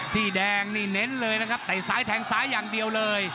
ที่แดงนี่เน้นเลยนะครับไต่ซ้ายแทงซ้ายอย่างเดียวเลย